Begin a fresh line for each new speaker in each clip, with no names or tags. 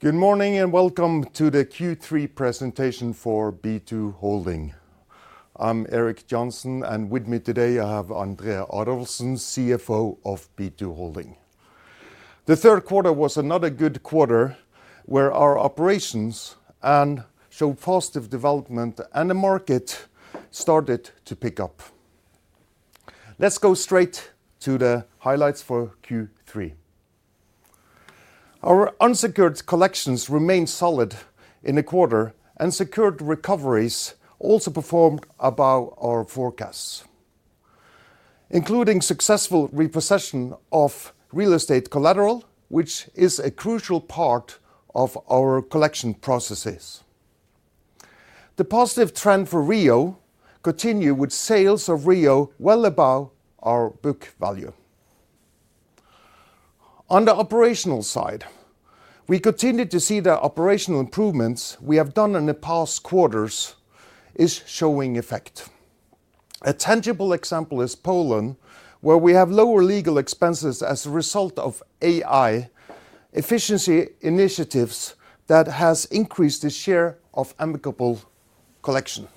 Good morning and welcome to the Q3 presentation for B2Holding. I'm Erik Johnsen, and with me today I have André Adolfsen, CFO of B2Holding. The third quarter was another good quarter where our operations and show positive development and the market started to pick up. Let's go straight to the highlights for Q3. Our unsecured collections remained solid in the quarter and secured recoveries also performed above our forecasts, including successful repossession of real estate collateral, which is a crucial part of our collection processes. The positive trend for REO continue with sales of REO well above our book value. On the operational side, we continue to see the operational improvements we have done in the past quarters is showing effect. A tangible example is Poland, where we have lower legal expenses as a result of AI efficiency initiatives that has increased the share of amicable collection.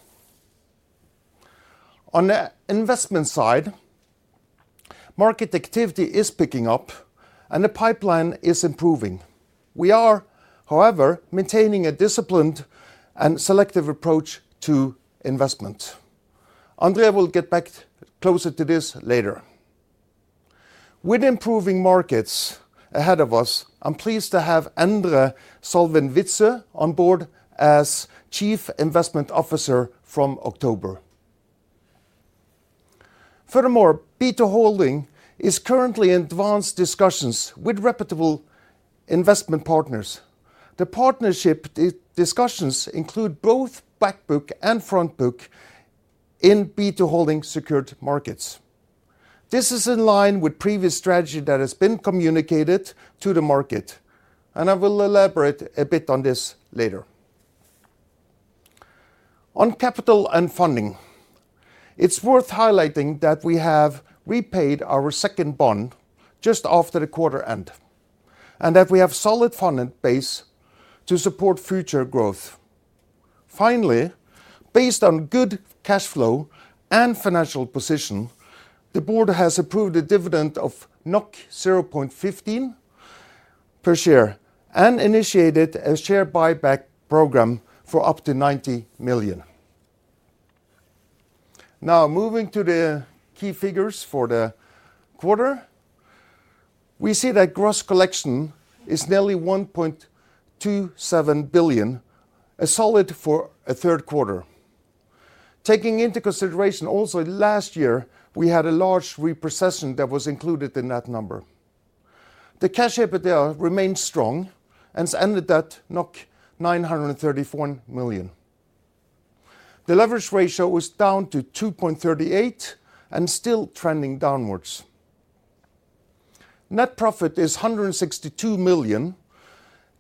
On the investment side, market activity is picking up and the pipeline is improving. We are, however, maintaining a disciplined and selective approach to investment. André will get back closer to this later. With improving markets ahead of us, I'm pleased to have Endre Solvin-Witzø on board as Chief Investment Officer from October. Furthermore, B2Holding is currently in advanced discussions with reputable investment partners. The partnership discussions include both back book and front book in B2Holding secured markets. This is in line with previous strategy that has been communicated to the market, and I will elaborate a bit on this later. On capital and funding, it's worth highlighting that we have repaid our second bond just after the quarter end, and that we have solid funding base to support future growth. Finally, based on good cash flow and financial position, the board has approved a dividend of 0.15 per share and initiated a share buyback program for up to 90 million. Now, moving to the key figures for the quarter. We see that gross collection is nearly 1.27 billion, a solid for a third quarter. Taking into consideration also last year, we had a large repossession that was included in that number. The cash EBITDA remains strong and has ended at 934 million. The leverage ratio was down to 2.38 and still trending downwards. Net profit is 162 million,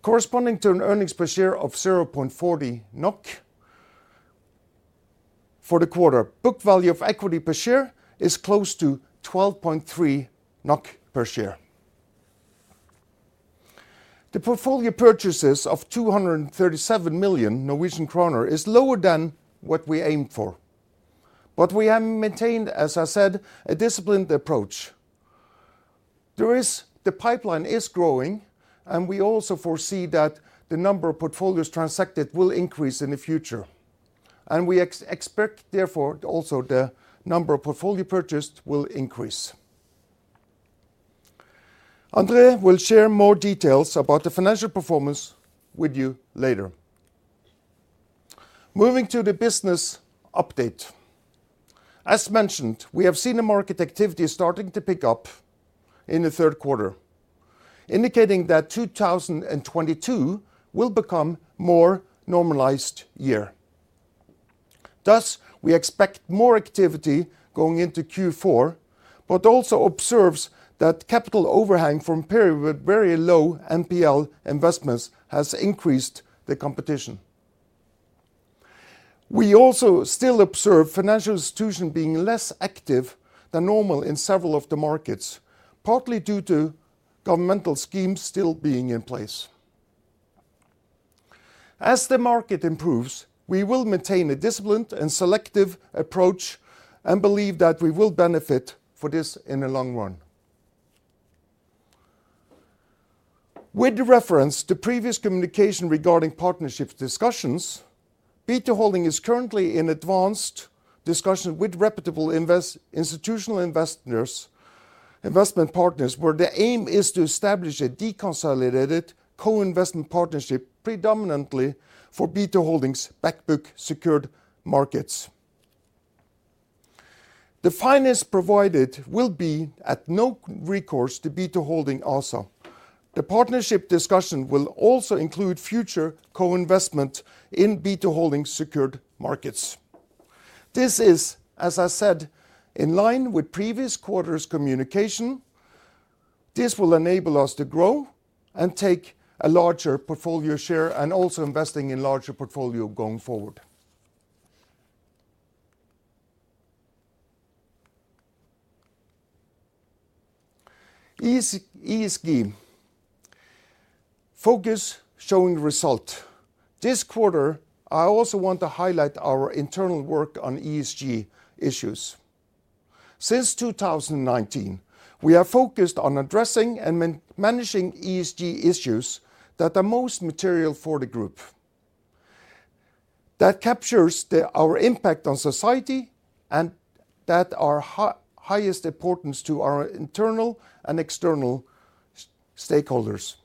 corresponding to an earnings per share of 0.40 NOK for the quarter. Book value of equity per share is close to 12.3 NOK per share. The portfolio purchases of 237 million Norwegian kroner is lower than what we aimed for. We have maintained, as I said, a disciplined approach. The pipeline is growing and we also foresee that the number of portfolios transacted will increase in the future. We expect therefore also the number of portfolio purchased will increase. André will share more details about the financial performance with you later. Moving to the business update. As mentioned, we have seen the market activity starting to pick up in the third quarter, indicating that 2022 will become more normalized year. Thus, we expect more activity going into Q4, but also observes that capital overhang from period with very low NPL investments has increased the competition. We also still observe financial institution being less active than normal in several of the markets, partly due to governmental schemes still being in place. As the market improves, we will maintain a disciplined and selective approach and believe that we will benefit for this in the long run. With reference to previous communication regarding partnership discussions, B2Holding is currently in advanced discussions with reputable institutional investors, investment partners, where the aim is to establish a deconsolidated co-investment partnership predominantly for B2Holding's back book secured markets. The finance provided will be at no recourse to B2Holding also. The partnership discussion will also include future co-investment in B2Holding secured markets. This is, as I said, in line with previous quarters communication. This will enable us to grow and take a larger portfolio share and also investing in larger portfolio going forward. ESG focus showing result. This quarter, I also want to highlight our internal work on ESG issues. Since 2019, we are focused on addressing and managing ESG issues that are most material for the group. That captures our impact on society and that are highest importance to our internal and external stakeholders.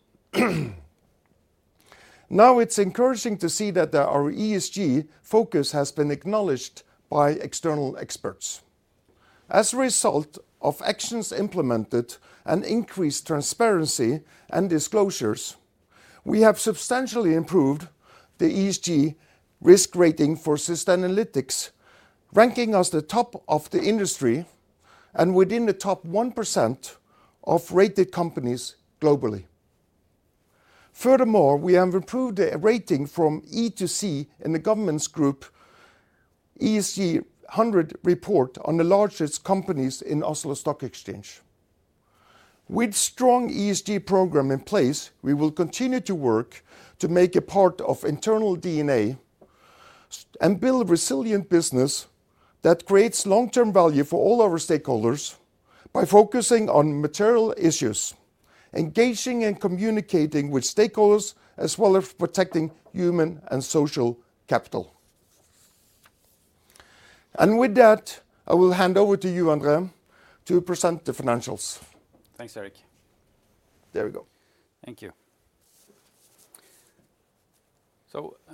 Now it's encouraging to see that our ESG focus has been acknowledged by external experts. As a result of actions implemented and increased transparency and disclosures, we have substantially improved the ESG risk rating for Sustainalytics, ranking us the top of the industry and within the top 1% of rated companies globally. Furthermore, we have improved a rating from E to C in the Governance Group ESG 100 report on the largest companies in Oslo Stock Exchange. With strong ESG program in place, we will continue to work to make a part of internal DNA and build resilient business that creates long-term value for all our stakeholders by focusing on material issues, engaging and communicating with stakeholders, as well as protecting human and social capital. With that, I will hand over to you, André, to present the financials.
Thanks, Erik.
There we go.
Thank you.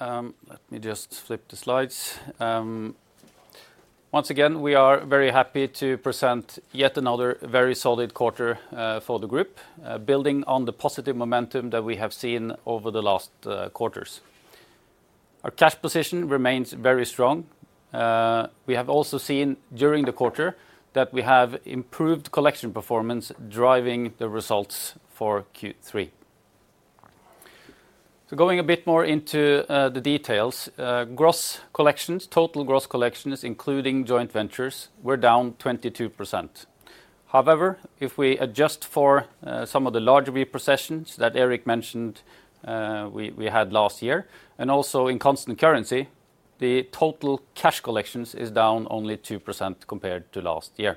Let me just flip the slides. Once again, we are very happy to present yet another very solid quarter for the group, building on the positive momentum that we have seen over the last quarters. Our cash position remains very strong. We have also seen during the quarter that we have improved collection performance driving the results for Q3. Going a bit more into the details, gross collections, total gross collections, including joint ventures, were down 22%. However, if we adjust for some of the larger repossessions that Erik mentioned, we had last year, and also in constant currency, the total cash collections is down only 2% compared to last year.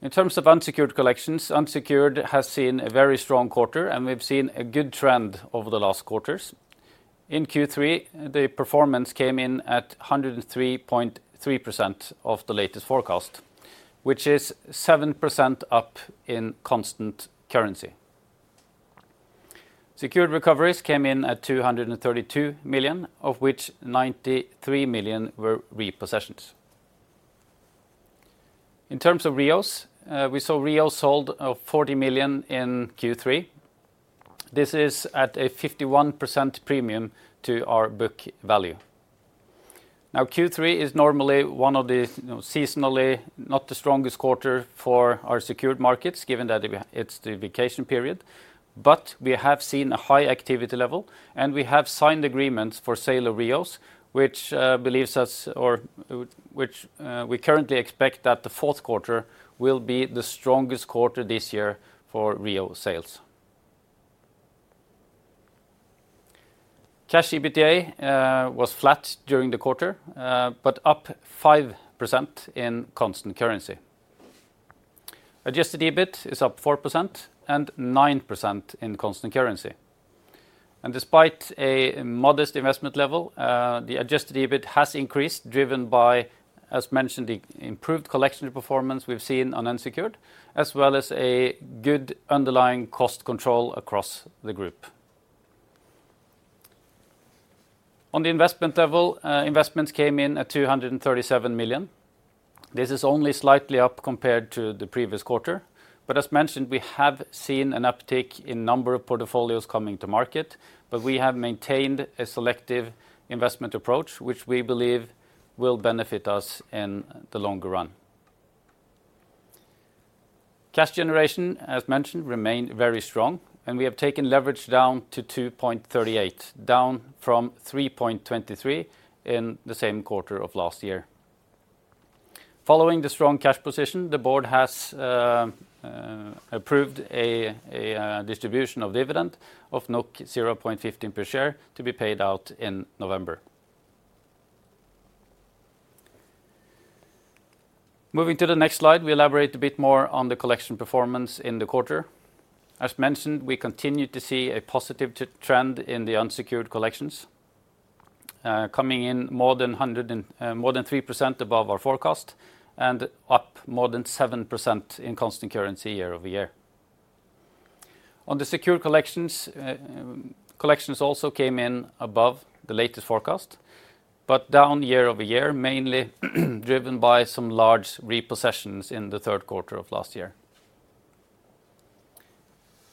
In terms of unsecured collections, unsecured has seen a very strong quarter, and we've seen a good trend over the last quarters. In Q3, the performance came in at 103.3% of the latest forecast, which is 7% up in constant currency. Secured recoveries came in at 232 million, of which 93 million were repossessions. In terms of REOs, we saw REOs sold 40 million in Q3. This is at a 51% premium to our book value. Now, Q3 is normally one of the, you know, seasonally not the strongest quarter for our secured markets, given that it's the vacation period. We have seen a high activity level, and we have signed agreements for sale of REOs, which we currently expect that the fourth quarter will be the strongest quarter this year for REO sales. Cash EBITDA was flat during the quarter, but up 5% in constant currency. Adjusted EBIT is up 4% and 9% in constant currency. Despite a modest investment level, the adjusted EBIT has increased, driven by, as mentioned, the improved collection performance we've seen on unsecured, as well as a good underlying cost control across the group. On the investment level, investments came in at 237 million. This is only slightly up compared to the previous quarter. As mentioned, we have seen an uptick in number of portfolios coming to market, but we have maintained a selective investment approach, which we believe will benefit us in the longer run. Cash generation, as mentioned, remained very strong, and we have taken leverage down to 2.38, down from 3.23 in the same quarter of last year. Following the strong cash position, the board has approved a distribution of dividend of 0.15 per share to be paid out in November. Moving to the next slide, we elaborate a bit more on the collection performance in the quarter. As mentioned, we continue to see a positive trend in the unsecured collections, coming in more than 3% above our forecast and up more than 7% in constant currency year-over-year. On the secured collections also came in above the latest forecast, but down year-over-year, mainly driven by some large repossessions in the third quarter of last year.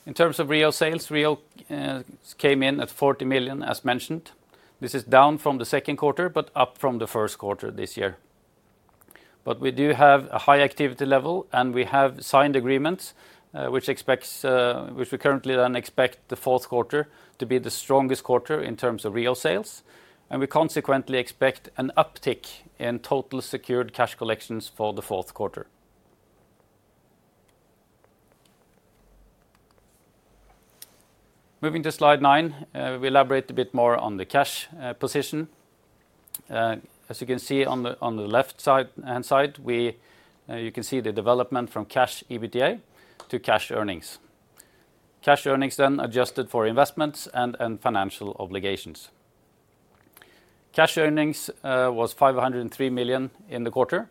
In terms of REO sales, REO sales came in at 40 million, as mentioned. This is down from the second quarter, but up from the first quarter this year. We do have a high activity level, and we have signed agreements, which we currently then expect the fourth quarter to be the strongest quarter in terms of REO sales. We consequently expect an uptick in total secured cash collections for the fourth quarter. Moving to slide nine, we elaborate a bit more on the cash position. As you can see on the left-hand side, you can see the development from cash EBITDA to cash earnings. Cash earnings then adjusted for investments and financial obligations. Cash earnings was 503 million in the quarter.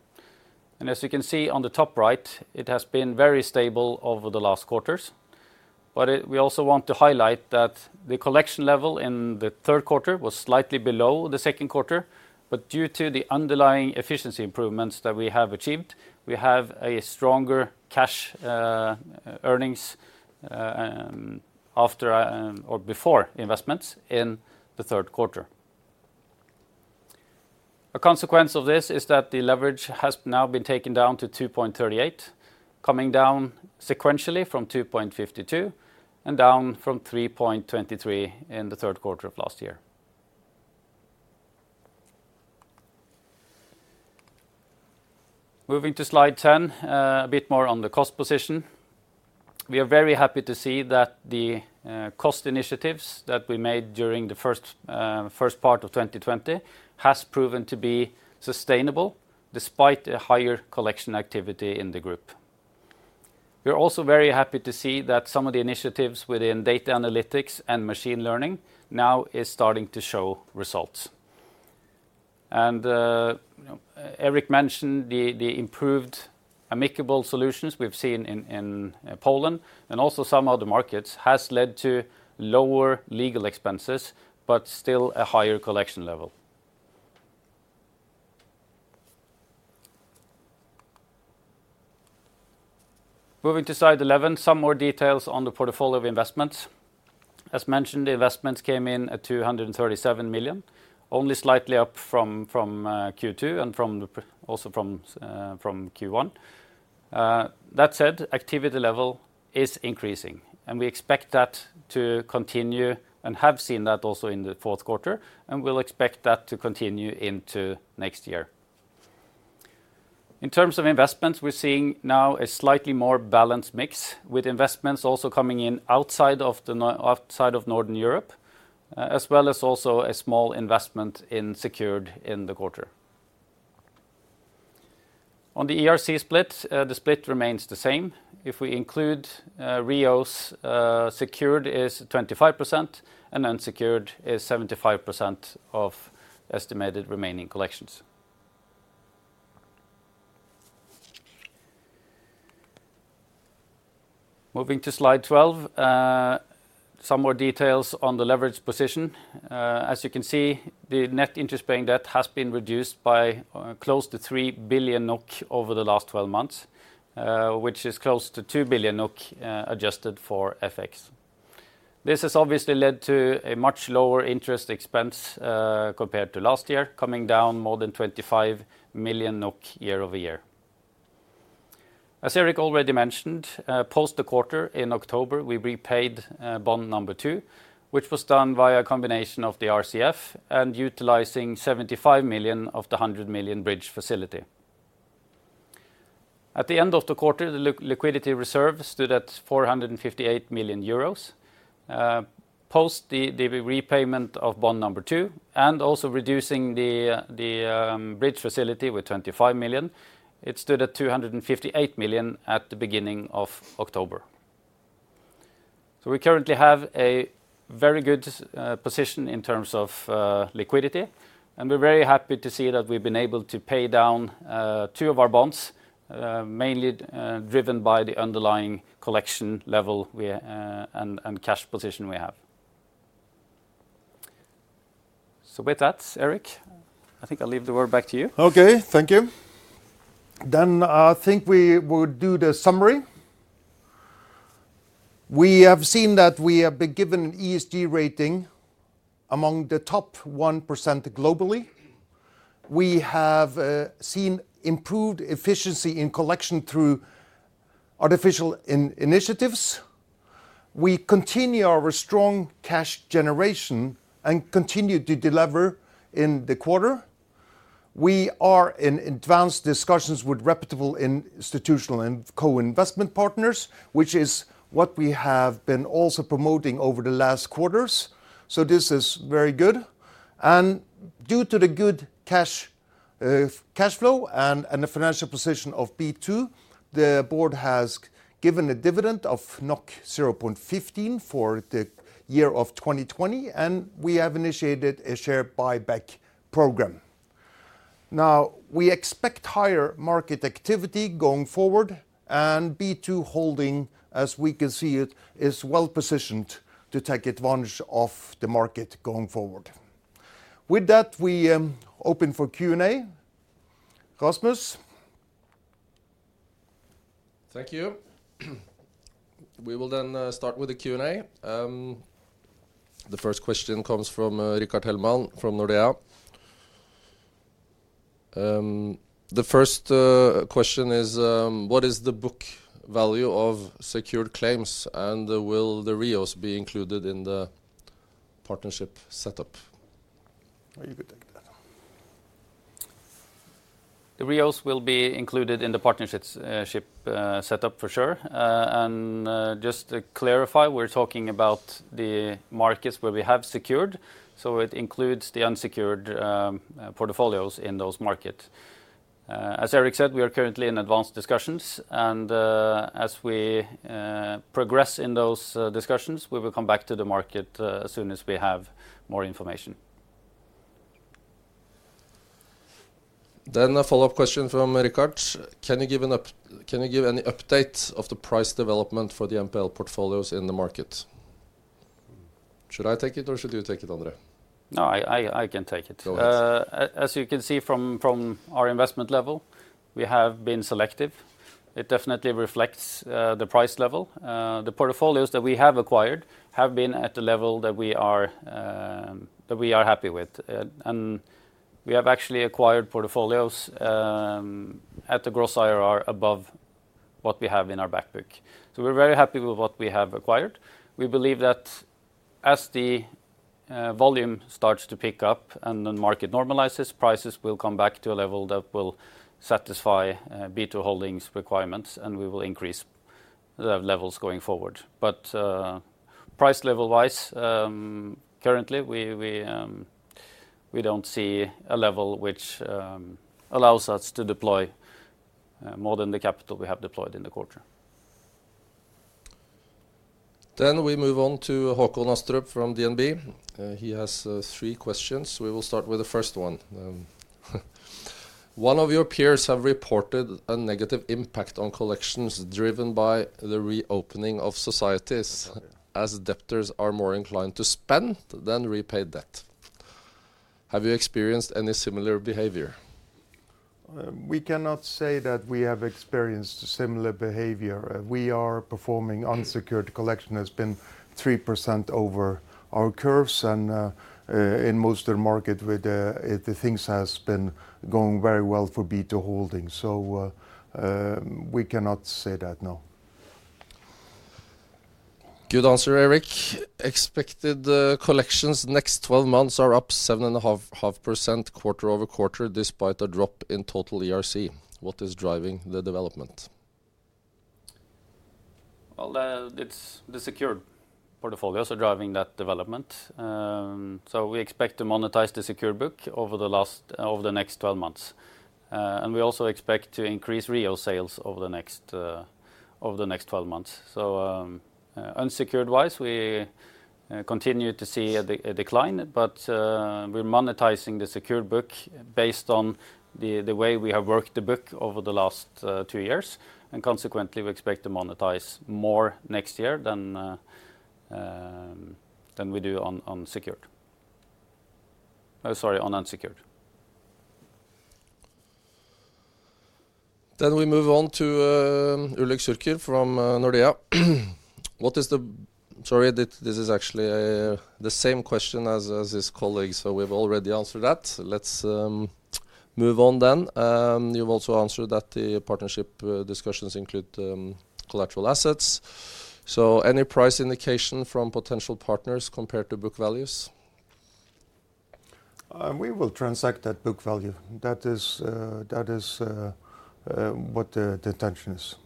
As you can see on the top right, it has been very stable over the last quarters. We also want to highlight that the collection level in the third quarter was slightly below the second quarter, but due to the underlying efficiency improvements that we have achieved, we have a stronger cash earnings after or before investments in the third quarter. A consequence of this is that the leverage has now been taken down to 2.38, coming down sequentially from 2.52, and down from 3.23 in the third quarter of last year. Moving to slide 10, a bit more on the cost position. We are very happy to see that the cost initiatives that we made during the first part of 2020 has proven to be sustainable despite a higher collection activity in the group. We are also very happy to see that some of the initiatives within data analytics and machine learning now is starting to show results. You know, Erik mentioned the improved amicable solutions we've seen in Poland and also some other markets has led to lower legal expenses, but still a higher collection level. Moving to slide 11, some more details on the portfolio of investments. As mentioned, the investments came in at 237 million, only slightly up from Q2 and also from Q1. That said, activity level is increasing, and we expect that to continue and have seen that also in the fourth quarter, and we'll expect that to continue into next year. In terms of investments, we're seeing now a slightly more balanced mix with investments also coming in outside of Northern Europe, as well as also a small investment in secured in the quarter. On the ERC split, the split remains the same. If we include REOs, secured is 25% and unsecured is 75% of estimated remaining collections. Moving to slide 12, some more details on the leverage position. As you can see, the net interest-bearing debt has been reduced by close to 3 billion NOK over the last 12 months, which is close to 2 billion NOK, adjusted for FX. This has obviously led to a much lower interest expense, compared to last year, coming down more than 25 million NOK year-over-year. As Erik already mentioned, post the quarter in October, we repaid bond number two, which was done via a combination of the RCF and utilizing 75 million of the 100 million bridge facility. At the end of the quarter, the liquidity reserve stood at 458 million euros. Post the repayment of bond number two and also reducing the bridge facility with 25 million, it stood at 258 million at the beginning of October. We currently have a very good position in terms of liquidity, and we're very happy to see that we've been able to pay down two of our bonds, mainly driven by the underlying collection level we and cash position we have. With that, Erik, I think I'll leave the word back to you.
Okay, thank you. I think we would do the summary. We have seen that we have been given an ESG rating among the top 1% globally. We have seen improved efficiency in collection through artificial intelligence initiatives. We continue our strong cash generation and continue to deliver in the quarter. We are in advanced discussions with reputable institutional and co-investment partners, which is what we have been also promoting over the last quarters. This is very good. Due to the good cash flow and the financial position of B2, the board has given a dividend of 0.15 for the year of 2020, and we have initiated a share buyback program. We expect higher market activity going forward, and B2Holding, as we can see it, is well-positioned to take advantage of the market going forward. With that, we open for Q&A. Rasmus.
Thank you. We will start with the Q&A. The first question comes from Rickard Hellman from Nordea. The first question is, what is the book value of secured claims, and will the REOs be included in the partnership setup?
Very good. Thank you.
The REOs will be included in the partnerships set up for sure. Just to clarify, we're talking about the markets where we have secured, so it includes the unsecured portfolios in those markets. As Erik said, we are currently in advanced discussions, and as we progress in those discussions, we will come back to the market as soon as we have more information.
A follow-up question from Rickard Hellman. Can you give any update of the price development for the NPL portfolios in the market?
Should I take it or should you take it, André Adolfsen?
No, I can take it.
Go ahead.
As you can see from our investment level, we have been selective. It definitely reflects the price level. The portfolios that we have acquired have been at the level that we are happy with. We have actually acquired portfolios at the gross IRR above what we have in our back book. We're very happy with what we have acquired. We believe that as the volume starts to pick up and the market normalizes, prices will come back to a level that will satisfy B2Holding's requirements, and we will increase the levels going forward. Price level wise, currently we don't see a level which allows us to deploy more than the capital we have deployed in the quarter.
We move on to Håkon Astrup from DNB. He has three questions. We will start with the first one. One of your peers have reported a negative impact on collections driven by the reopening of societies as debtors are more inclined to spend than repay debt. Have you experienced any similar behavior?
We cannot say that we have experienced similar behavior. Unsecured collection has been 3% over our curves and in most of the market with the things has been going very well for B2Holding. We cannot say that, no.
Good answer, Erik. Expected collections next 12 months are up 7.5% quarter-over-quarter despite a drop in total ERC. What is driving the development?
Well, it's the secured portfolios are driving that development. We expect to monetize the secured book over the next 12 months. We also expect to increase REO sales over the next 12 months. Unsecured wise, we continue to see a decline, but we're monetizing the secured book based on the way we have worked the book over the last two years. Consequently, we expect to monetize more next year than we do on secured. Oh, sorry, on unsecured.
We move on to Ulrik Årdal Zürcher from Nordea. Sorry, this is actually the same question as his colleague, so we've already answered that. Let's move on then. You've also answered that the partnership discussions include collateral assets. Any price indication from potential partners compared to book values?
We will transact that book value. That is what the intention is.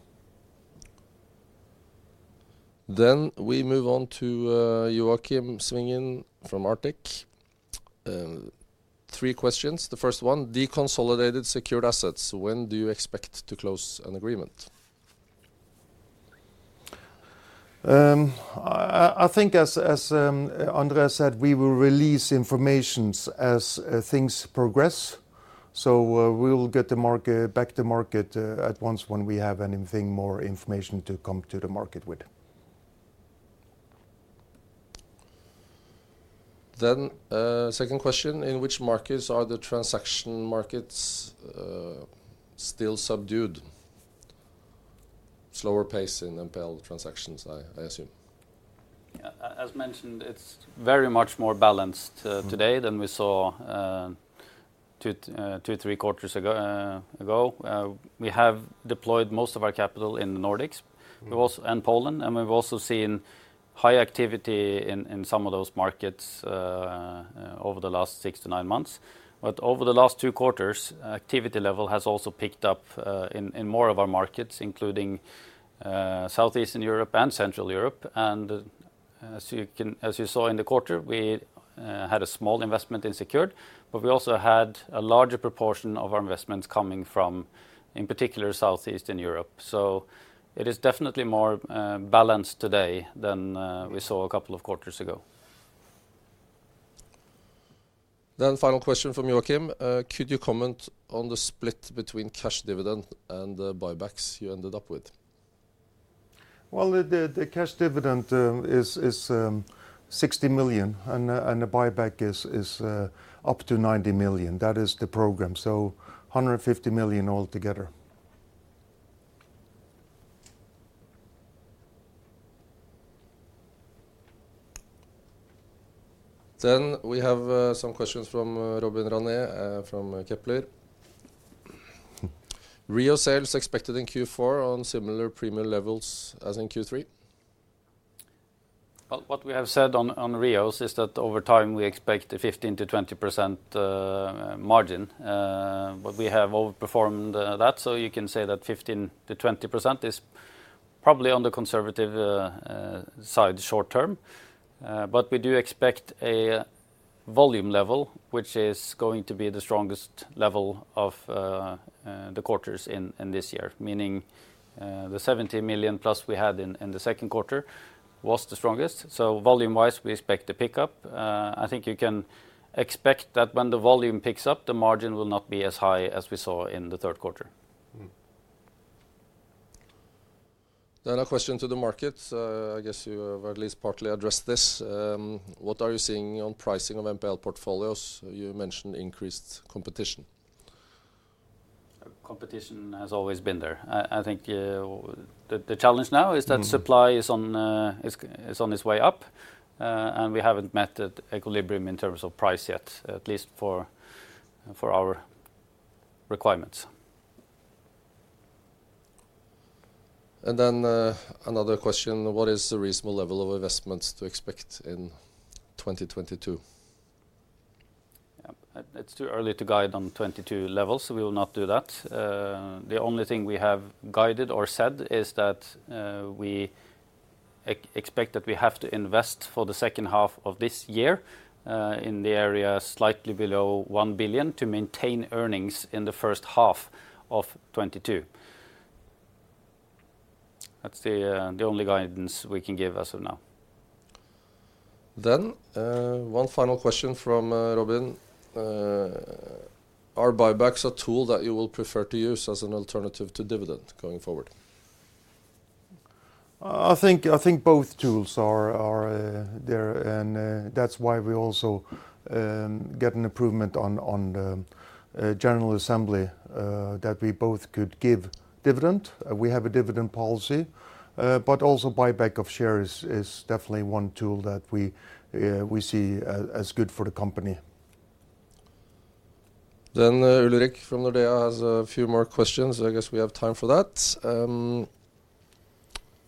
We move on to Joakim Svingen from Arctic. Three questions. The first one, deconsolidated secured assets, when do you expect to close an agreement?
I think as André said, we will release information as things progress. We will get the market back to market at once when we have any more information to come to the market with.
Second question, in which markets are the transaction markets still subdued? Slower pace in NPL transactions, I assume.
Yeah. As mentioned, it's very much more balanced today than we saw two, three quarters ago. We have deployed most of our capital in the Nordics. We also in Poland, and we've also seen high activity in some of those markets over the last six to nine months. Over the last two quarters, activity level has also picked up in more of our markets, including Southeastern Europe and Central Europe. As you saw in the quarter, we had a small investment in secured, but we also had a larger proportion of our investments coming from, in particular, Southeastern Europe. It is definitely more balanced today than we saw a couple of quarters ago.
Final question from Joakim. Could you comment on the split between cash dividend and the buybacks you ended up with?
Well, the cash dividend is 60 million, and a buyback is up to 90 million. That is the program. 150 million altogether.
We have some questions from Robin Rane from Kepler. REO sales expected in Q4 on similar premium levels as in Q3?
Well, what we have said on REOs is that over time we expect a 15%-20% margin. We have outperformed that, so you can say that 15%-20% is probably on the conservative side short-term. We do expect a volume level which is going to be the strongest level of the quarters in this year. Meaning, the 17 million plus we had in the second quarter was the strongest. Volume-wise we expect a pickup. I think you can expect that when the volume picks up, the margin will not be as high as we saw in the third quarter.
A question to the market, I guess you have at least partly addressed this. What are you seeing on pricing of NPL portfolios? You mentioned increased competition.
Competition has always been there. I think the challenge now is that supply is on its way up. We haven't met the equilibrium in terms of price yet, at least for our requirements.
Another question, what is the reasonable level of investments to expect in 2022?
Yeah. It's too early to guide on 2022 levels, so we will not do that. The only thing we have guided or said is that we expect that we have to invest for the second half of this year in the area slightly below 1 billion to maintain earnings in the first half of 2022. That's the only guidance we can give as of now.
One final question from Robin. Are buybacks a tool that you will prefer to use as an alternative to dividend going forward?
I think both tools are there and that's why we also get an improvement on the general assembly that we both could give dividend. We have a dividend policy, but also buy back of shares is definitely one tool that we see as good for the company.
Ulrik from Nordea has a few more questions. I guess we have time for that.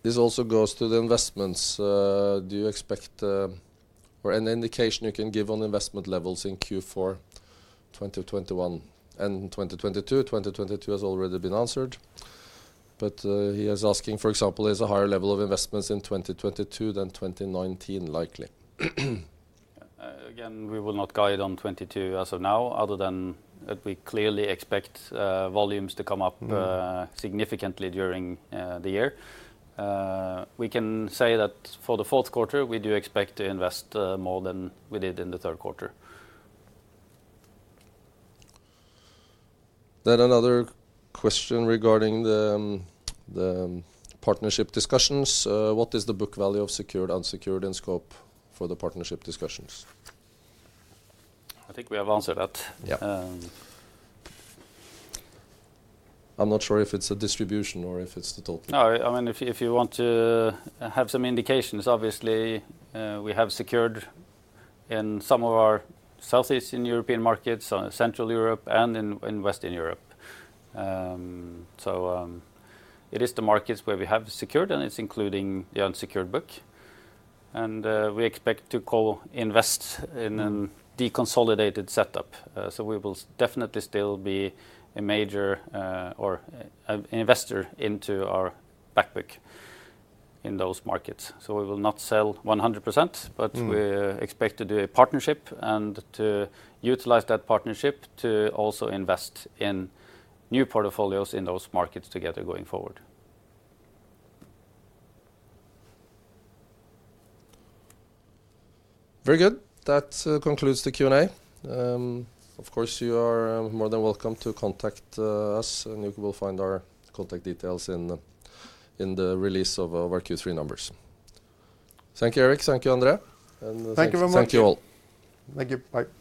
This also goes to the investments. Do you expect or any indication you can give on investment levels in Q4 2021 and in 2022? 2022 has already been answered, but he is asking, for example, is a higher level of investments in 2022 than 2019 likely?
Again, we will not guide on 2022 as of now, other than that we clearly expect volumes to come up significantly during the year. We can say that for the fourth quarter we do expect to invest more than we did in the third quarter.
Another question regarding the partnership discussions. What is the book value of secured, unsecured in scope for the partnership discussions?
I think we have answered that.
Yeah. I'm not sure if it's a distribution or if it's the total.
No, I mean, if you want to have some indications, obviously, we have secured in some of our Southeastern European markets, Central Europe and in Western Europe. It is the markets where we have secured, and it's including the unsecured book. We expect to co-invest in a deconsolidated setup. We will definitely still be a major or an investor into our back book in those markets. We will not sell 100%, but we expect to do a partnership and to utilize that partnership to also invest in new portfolios in those markets together going forward.
Very good. That concludes the Q&A. Of course, you are more than welcome to contact us, and you will find our contact details in the release of our Q3 numbers. Thank you, Erik. Thank you, André.
Thank you very much.
Thank you all.
Thank you. Bye.